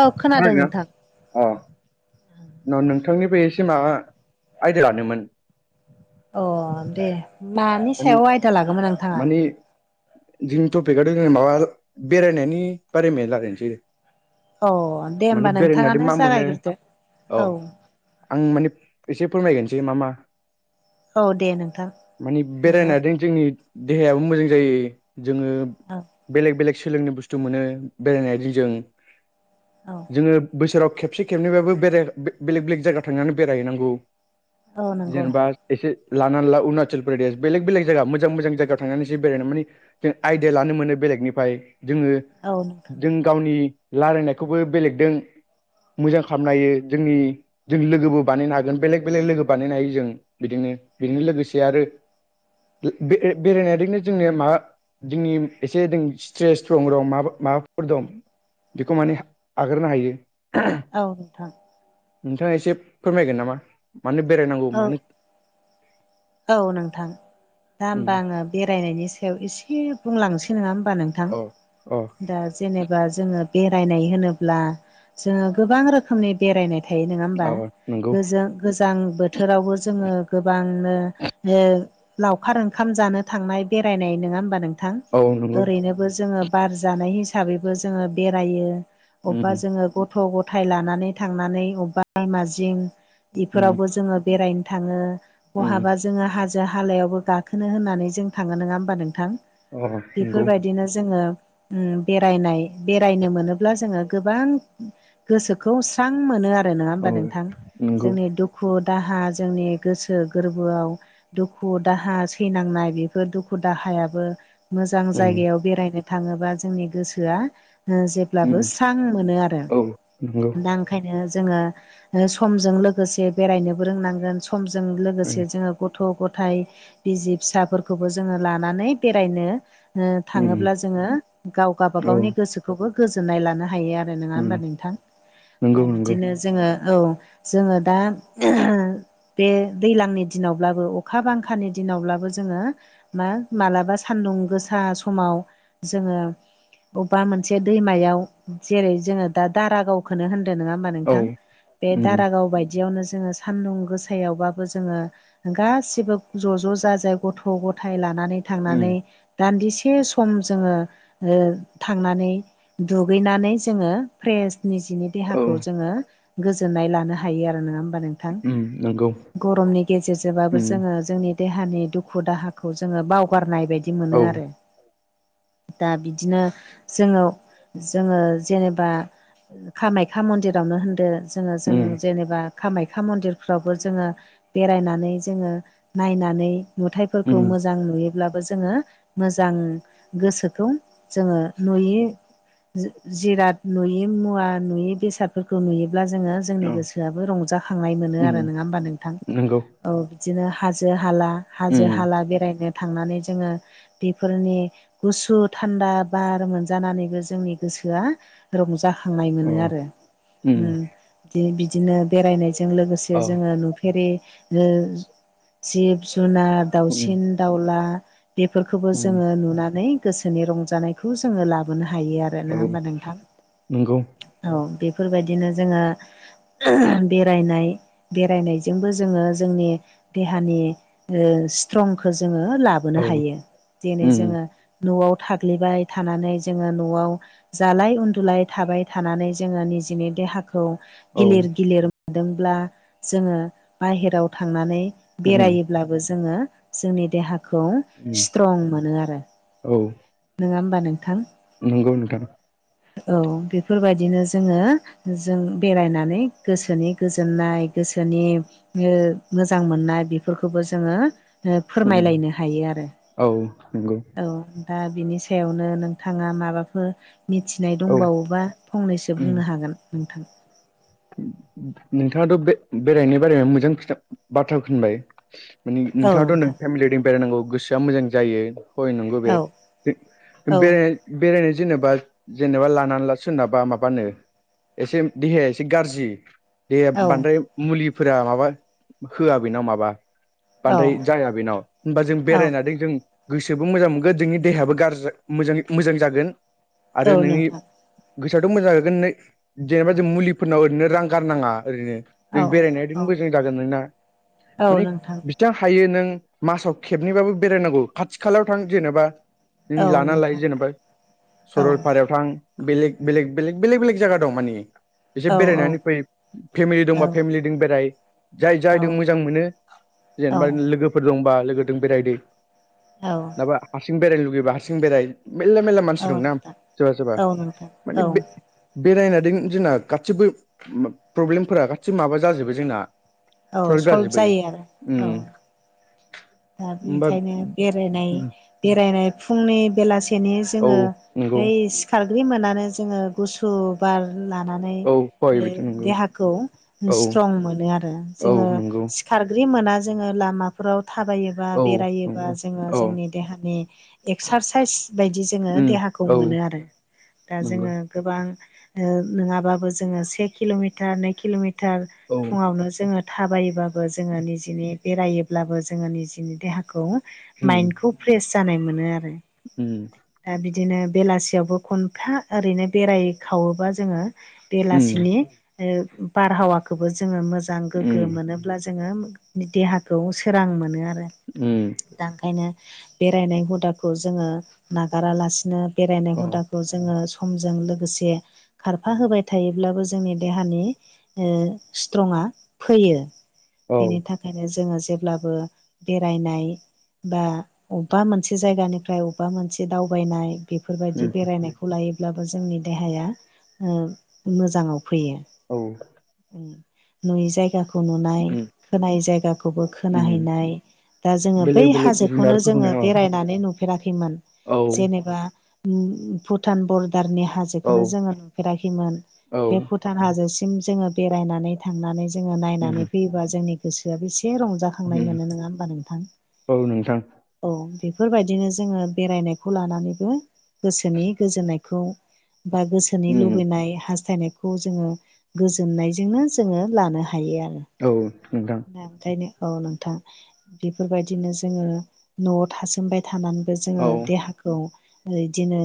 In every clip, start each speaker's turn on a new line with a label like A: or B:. A: औ खोनादों
B: खोनादोंना?
A: नोंथां।
B: अ न नोंथांनिबो एसे माबा आइदिया लानोमोन।
A: अ दे। मानि
B: माने
A: सायाव आयदा लागौमोन नोंथाङा
B: मानि। जोंनि टपिकआथ' जों माबा बेरायनायनि बारै बादै रायलायनोसै।
A: औ दे
B: माने
A: होनबा
B: बेरायनायजों
A: नोंथाङानो
B: मा मोनो
A: जागायग्रोदो औ।
B: आं माने एसे फोरमायगोनोसै मा मा।
A: औ दे नोंथां। नोङो
B: बेरायनानैजों जोंनि देहायाबो मोजां जायो जोङो।
A: औ।
B: बेलेग बेलेग सोलोंनो बुस्थु मोनो बेरायनाय दिन जों।
A: औ‌।
B: जोङो बोसोराव खेबसे खेबनैबाबो बे बेलेग बेलेग जायगा थांनानै बेरायहैनांगौ।
A: औ नंगौ
B: जेनबा एसे लानानै ला अरुणाचल प्रदेश बेलेग बेलेग जायगा मोजां मोजां जायगायाव थांनानैसो बेरायनो माने जों आयडिया लानो मोनो बेलेगनिफ्राय। जोङो
A: औ नोंथां
B: जों गावनि रायलायनायखौबो बेलेगदों मोजां खालामनो हायो जोंनि जों लोगोबो बानायनो हागोन बेलेग बेलेग लोगो बानायनो हायो जों बिदिनो। बेजोंनो लोगोसे आरो बे बेरायनायजोंनो जोंनि माबा जोंनि एसे जों स्ट्रेसफोर दं मा माबाफोर दं। बेखौ माने आगारनो हायो‌।
A: औ नोंथां।
B: नोंथाङा एसे फोरमायगोन नामा मानो बेरायनांगौ
A: औ
B: मानो
A: औ नोंथां दा होमबा आङो बेरायनायनि सायाव एसे बुंलांनोसै नङा होमबा नों थां
B: अ अ
A: दा जेनेबा जोङो बेरायनाय होनोब्ला जोङो गोबां रोखोमनि बेरायनाय थायो नङा होमबा
B: अ नंगौ
A: गोजों गोजां बोथोरावबो जोङो गोबांनो जे लावखार ओंखाम जानो थांनाय बेरायनाय नङा होमबा नोंथां?
B: औ नंगौ
A: ओरैनो जोङो बार जानाय हिसाबैबो जोङो बेरायो
B: उम
A: अबेबा जोङो गथ' गथाय लानानै थांनानै अबेबा दैमा जिं
B: उम
A: बेफोरावबो जोङो बेरायनो थाङो
B: उम
A: बहाबा जोङो हाजो हालायावबो गाखोनो होननानै जों थाङो नङा होमबा नोंथां?
B: अ नंगौ
A: बेफोरबायदिनो जोङो उम बेरायनाय बेरायनो मोनोब्ला जोङो गोबां गोसोखौ स्रां मोनो आरो आरो नङा
B: औ
A: होमबा नोंथां?
B: नंगौ
A: जोंनि दुखु दाहा जोंनि गोसो गोरबोआव दुखु दाहा सैनांनाय बेफोर दुखु दाहायाबो मोजां
B: उम
A: जायगायाव बेरायनो थाङोबा जोंनि गोसोआ जेब्लाबो
B: उम
A: स्रां मोनो आरो
B: औ नंगौ
A: ओंखायनो जोङो समजों लोगोसे बेरायनोबो रोंनांगोन समजों लोगोसे जोङो गथ' गथायाइ बिजसि फिसाफोरखौबो जोङो लानानै बेरायनो
B: उम उम
A: थाङोब्ला जोङो गाव
B: औ
A: गाबागावनि गोसोखौबो गोजोननाय लानो हायो आरो। नङा
B: उम
A: होनोमबा नोंथां दा
B: नंगौ
A: बि
B: नंगौ
A: बिदिनो जोङो औ जोङो दा बे दै्लांनि दिनावब्लाबो अखा बांखानि दिनावब्लाबो जोङो मा मालाबा सान्दुं गोसा समाव जोङो बबेबा मोनसे दैमायाव जेरै जोङो दा दारागावखौनो होनदों नङा होनबा
B: औ
A: नोंथां बे
B: उम
A: दारागाव बायदियावनो जोङो सान्दुं गोसायावबाबो जोङो गासिबो ज' ज' जाजाय गथ' गथाय लानानै
B: उम
A: थांनानै दान्दिसे सम जोङो थांनानै दुगैनानै जोङो फ्रेस निजिनि
B: औ
A: देहाखौ जोङो गोजोननाय लानो हायो आरो नङा होमबा नोंथां
B: उम नंगौ
A: गरमनि गेजेरजोंबाबो
B: उम
A: जोङो जोंनि देहानि दुखु दाहाखौ जोङो बावगारनाय बायदि बिदि
B: औ
A: मोनो आरो दा बिदिनो जोङो जोङो जेनेबा कामाख्या मन्दिरावनो होनदो जोङो जों
B: उम
A: जेनेबा कामाख्या मन्दिरफ्रावबो जोङो बेरायनानै जोङो नायनानै
B: उम
A: नुथाइफोरखौ मोज मोजां नुयोब्लाबो जोङो मोजां गोसोखौ जोङो नुयि जिराद नुयि मुवा नुयै बेसादफोरखौ नुयोब्ला जोङो
B: औ
A: जोंनि गोसोआबो रंजाखांनाय मोनो
B: उम
A: आरो नङा होमबा नोंथां
B: नंगौ
A: औ बिदिनो हाजो हाला हाजो
B: उम
A: हाला बेरायनो थांनानै जोङो बेफोरनि गुसु थान्दा बार मोनजानानैबो जोंनि गोसोआ रंजा थांनाय मोनो
B: औ
A: आरो
B: उम
A: बिदिनो बेरायनायजों लोगोसे
B: अ
A: जोङो नु फेरै जिब जुनार
B: उम
A: दाउसिन दाउला बेफोरखौबो
B: उम
A: जोङो नुनानै गोसोनि रंजानायखौ जोङो लाबोनो हायो आरो नङा
B: औ
A: होमबा नोंथां
B: नंगौ
A: औ बेफोरबायदिनो जोङो बेरायनाय बेरायनायजोंबो जो जोंनि देहानि स्ट्रंखौ जों लाबो लाबोनो
B: औ
A: हायो जेरै
B: उम
A: जोङो न'आव थाग्लिबाय थानानै जोङो न'आव जालाय उन्दुलाय थाबाय थानानै जोङो निजिनि देहाखौ
B: औ
A: गिलिर गिलिर मोनदोंब्ला जोङो बाहेराव थांनानै
B: उम
A: बेरायो बो जोङो जोंनि देहाखौ
B: उम
A: स्ट्रं मोनो आरो
B: औ
A: नङा होमबा नोंथां
B: नंगौ नोंथां
A: औ बेफोरबायदिनो जोङो जों बेरायनानै गोसोनि गोजोननाय गोसोनि मोजां मोननाय बेफोरखौबो जोङो
B: उम
A: फोरमायलायनो हायो आरो
B: औ नंगौ
A: औ दा बिनि सायावनो नोंथाङा माबाफोर मिथिनाय
B: औ
A: दंबावोबा फंनैसो
B: उम
A: बुंनो हागोन नोंथां
B: नोंथाङाथ' बे बेरायनो बारै मोजां खिथा बाथ्रा खोनबाय माने
A: औ
B: नोंथाङाथ' नों
A: नोंथां
B: फेमिलिजों बेरायनांगौ गोसोआ मोजां जायो हय नंगौ बे
A: औ औ
B: बे बेरायनो जेनेबा जेनेबा लानानै सोरनाबा माबानो एसे देहाया एसे गाज्रि दे
A: औ
B: बांद्राय मुलिफोरा माबा होआबैना माबा
A: औ
B: बांदाय जाया बेनाव होनबा जों
A: औ
B: बेरायना जों गोसोबो मोजां मोनगोन नोंनि देहायाबो गाज्रि मोजां मोजां जागोन
A: औ
B: आरो नोंनि
A: नोंथां
B: गोसोआथ' मोजां जोगोन न जेनेबा जों मुलिफोरनाव ओरैनो रां गारनाङा ओरैनो जों
A: औ औ
B: बेरायनायजोंबो जों जागोन नङा
A: औ
B: माने
A: नोंथां
B: सां हायो नों मासाव खेबनैबाबो बेरायनांगौ खाथि खालायाव थां जेनेबा
A: औ
B: लाना लायो
A: नोंथां
B: जेनेबा
A: औ
B: सरलपारायाव थां बेलेग बेलेग बेलेग बेलेग बेलेग जाया दं मानि एसे
A: औ
B: बेरायनानै फैयो फेमिलि दंबा
A: औ
B: फेमिलि जों बेराय जाय
A: औ
B: जायजों मोजां मोनो जेनेबा लोगो गोफोर दंबा लोगोदों बेरायदो
A: औ
B: नङाबा हारसिं बेरायनो लुबैबा हारसिं बेराय मेरला मेरला मानसि दं ना
A: नोंथां
B: सोरबा सोरबा
A: औ नोंथां
B: मान
A: औ
B: बे बेरायनादों जोंना गासिबो प्रब्लेमफोरा गासिबो माबा जाजोबो जोंना।
A: औ
B: स्वलभ
A: सल्भ
B: गाजोबो
A: जायो आरो
B: उम
A: औ दा
B: होमबा
A: बेनिखायनो बेरायनाय बेरायनाय फुंनि बेलासि खेनि
B: औ
A: जोङो
B: नंगौ
A: बै सिखारग्रो मोनानो जोङो गुस बार लानानै
B: औ हय
A: ओ
B: बिथ' नंगौ
A: देहाखौ
B: औ
A: सित्रं मोन आरो
B: औ
A: जोङो
B: नंगौ
A: खारग्रि मोना जोङो लामाफोराव थाबायोबा
B: औ
A: बेरायोबा
B: नंगौ
A: जोङो
B: औ
A: जोंनि देहानि एक्सारसाइस बायदि जोङो
B: उम
A: देहाखौ
B: औ
A: मोनो आरो दा
B: नंगौ
A: जोङो गोबां ओ नङाबाबो जोङो से किल'मिटार नै किल'मिट थार
B: औ
A: फुङावनो जोङो थाबायोबाबो जोङो निजिनि बेरायोब्लाबो ज जोङो निजेनि देहाखौ
B: उम
A: माइन्न्दखौ फ्रेस जानाय मोनो आरो
B: उम
A: दा बिदिनो बेलासियावबो खनफा ओरैनो बेराय खावोबा जोङो
B: उम
A: बेलासिनि बारहावाखौबो जोङो मोजां गोग्गो
B: उम
A: मोनो अब्ला जोङो देहाखौ सोरां मोनो आरो
B: उम
A: दा ओंखायनो बेरायनाय हुदाखौ जोङो नागारालासिनो बेरायनाय
B: अ
A: हुदाखौ खौ जोङो समजों लोगोसे खारफा होबाय थायोब्लाबो जोंनि देहानि ओ स्ट्रिंआ फैयो
B: औ
A: बेनि थाखायनो जोङो जेबो अब्लाबो बेरायनाय बा अबेबा मोनसे जायगानिफ्राय अबेबा मोनसे दावबायनाय बेफोरबायदि
B: उम
A: बेरायनायखौ लायोब्लाबो जोंनि देहाया ओ मोजाङाव फैयो
B: औ
A: नुयि जायगाखौ नुनाय
B: उम
A: खोनाय जायगाखौबो खोना
B: उम
A: हैनाय बा जों बै
B: बेलेग बेलेग
A: हाजखौनो
B: जुनारफोरखौनो
A: जोङो
B: अ
A: बेराय हैनाय नानै नुफेराखैमोन
B: औ
A: जेनेबा भुट बरदारनि हाजो
B: औ
A: खौनो जोङो नुफेराखैमोन
B: औ
A: बे भुटान हाजोसिम जोङो बेरायनानै थांनानै जोङो
B: उम
A: नायनानै फैयोबा जोंनि गोसोआ बेसे रंजाखा खांनाय
B: उम
A: मोनो नङा होमबा नोंथां
B: औ नोंथां
A: औ बेफोरबायदिनो जोङो बेरायनायखौ लानानैबो गोसोनि गोजोननायखौ खौ बा गोसोनि
B: उम
A: लुबैनाय हास्थायनायखौ जोङो गोजोननायजोंनो जोङो लानो हायो आरो
B: औ नोंथां
A: ओंखायनो औ नोंथां बेफोरबायदिनो जोङो न'आव थासोमबाय थानांगौ जोङो
B: औ
A: देहाखौ बिदिनो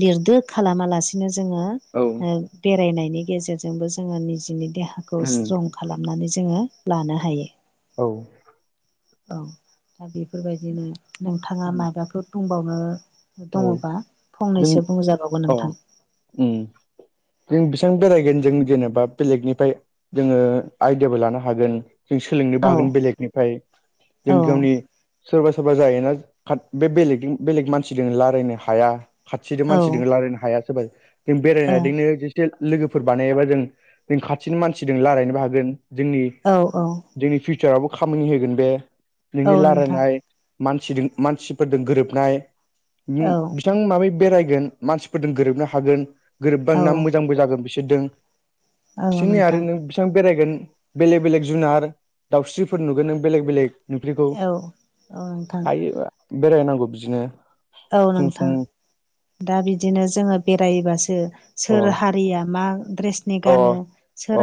A: लिरदो खालामालासिनो जोङो
B: औ
A: ओ बेरायनायनि गेजेरजोंबो जोङो निजिनि देहाखौ
B: उम
A: स्ट्रं खालामनानै जोङो लानो हायो।
B: औ
A: औ दा बेफोरबायदिनो नोंथाङा माबाफोर बुंबावनो
B: औ
A: दङबा
B: जों
A: फंनैसो बुंजाबावगोन
B: अ
A: नोंथां।
B: उम जों बेसिबां बेरायगोन जों जेनेबा बेलेगनिफ्राय जोङो आइदियाबो लानो हागोन जों सोलोंनो बो
A: औ
B: हागोन बेलेगनि मफ्राय जों
A: औ
B: गावनि सोरबा सोरबा जायोना काट बे बेलेग बेलेग मान मानसि रायलायनो हाया। खाथि
A: औ
B: मानसिजों रायलायनो हाय सोर जों बेरायजोंनो एसे लोगोफोर बानायाबा जों जों खाथिनि मानसिजों रायलायनोबो हागोन जोंनि
A: औ औ
B: जोंनि फिउचारावबो खामानि होगोन बे
A: औ
B: नोंनि
A: नोंथां
B: रायलायनाय मानसिजों मानसिफोरजों गोरोबनाय
A: औ
B: बिथां माबै बेरायगोन मानसिफोरजों गोरोबनो हागोन गोरोबब
A: औ
B: ना मोजांबो जागोन बि दों
A: औ
B: बिसोरनि आरो
A: नोंथां
B: नों बेसेबां बेरायगोन बेलेग बेलेग जुनार दाउस्रिफोर नुगोन नों बेलेग बेलेग नुफेरैखौ
A: औ औ नोंथां
B: हायो बेरायनांगौ बिदिनो
A: औ
B: फुं
A: नोंथां
B: फुं
A: दा बिदिनो जोङो बेरायोबासो
B: अ
A: सोर हारिया मा द्रेसनि
B: अ
A: गानो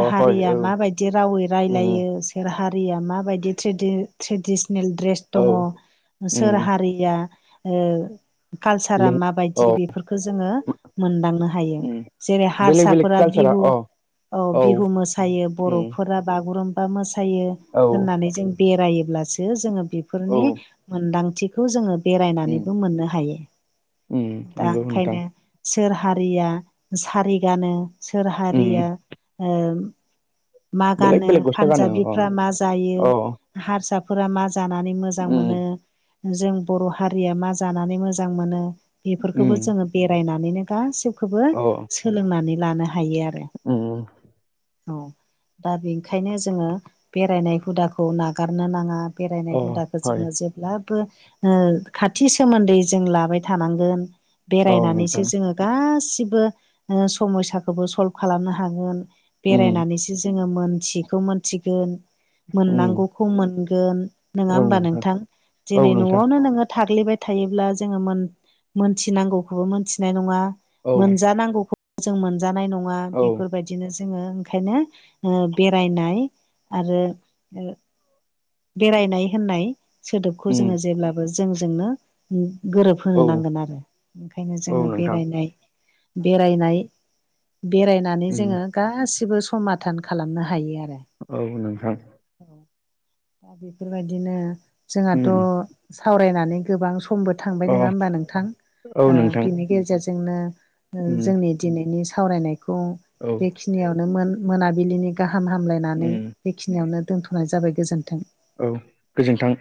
B: अ हय
A: हारिया
B: औ
A: माबायदि रावै
B: उम
A: रायलायो हारिया माबायदि ट्रेडि ट्रेडिसनेल
B: औ
A: दङ सोर
B: उम
A: हारिया ओ कालसारा
B: लों
A: माबायदि
B: औ
A: बेफोरखौ जोङो मोनदांनो हायो।
B: उम
A: जेरै
B: बेलेग बेलेग
A: हारसाफोरा
B: कालसारा
A: बिहु
B: अ
A: औ बिहु मोसायो
B: उम
A: बर'फोरा बागुरुम्बा बा मोसायो
B: औ
A: होननानै जों बेरायोब्लासो जोङो
B: औ
A: बेफोरनि मोनदांथि बेखौ जोङो
B: उम
A: बेरायनानैबो मोननो हायो
B: उम
A: दा
B: नंगौ नोंथां
A: ओंखायनो सोर हारिया सारि गानो सोर
B: उम
A: हारिया ओ मा
B: बेलेग
A: गानो
B: बेलेग गस्ला गानो अ
A: पानजाबिफ्रा मा जायो
B: अ
A: हारसाफोरा मा जानानै मोजां
B: उम
A: मोनो जों बर' हारिया मा जानानै मोजां मोनो बेफोरखौबो
B: उम
A: जोङो बेरायनानैनो गासिबो खौबो
B: अ
A: सोलोंनानै लानो हायो आरो
B: उम
A: औ। दा बेनिखायनो जोङो बेरायनाय हुदाखौ नागारनो नाङा बेरायनाय
B: अ
A: हुदाखौ जोङ
B: हय
A: जे बो खाथि सोमोन्दै जों लाबाय थानांगोन।
B: औ
A: बेरायनानैसो
B: नोंथां
A: जोङो गासिबो समयसाखौबो सल्भ खालामनो हागोन।
B: उम
A: बेरायनानैसो जोङो मोनथियखौ मोनथिगोन
B: उम
A: मोननांगौ मोनोन नङा हबा नोंथां
B: औ
A: दिनै
B: नोंथां
A: न'आवनो नोङो थाग्लिबाय थायोब्ला जोङो मोनथिनांगौखौबो मोनथिनाय नङा
B: औ
A: मोनजानांगौखौ जों मोनजानाय नङा
B: औ
A: बेफोरबायदिनो जोङो ओंखायनो बेरायनाय आरो ओ बेरायनाय होननाय सोदोबखौ जोङो
B: उम
A: जेब्लाबो जोंजोंनो गोरोबहो
B: औ
A: नांगोन आरो ओंखायनो
B: औ
A: जोङो
B: नोंथां
A: बेरायनाय बेरायनाय बेरायनानै
B: उम
A: जोङो गासिबो समादान खालामनो हायो आरो।
B: औ नोंथां
A: औ दा बेफोरबायदिनो जोंहाथ'
B: उम
A: सावरायनानै गोबां सम बो थांबाय
B: अ
A: नङा हबा नोंथां
B: औ नोंथां
A: बिनि गेजेरजोंनो
B: उम
A: जोंनि दिनैनि सावरायनायखौ
B: औ
A: बेखिनियावनो मोन मोनाबिलिनि गाहाम हामलायनानै
B: उम
A: बेखिनियावनो दोनथ'नाय जाबाय गोजोन्थों।
B: औ गोजोन्थां।